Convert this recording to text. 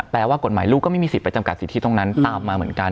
แปลว่ากฎหมายลูกก็ไม่มีสิทธิไปจำกัดสิทธิตรงนั้นตามมาเหมือนกัน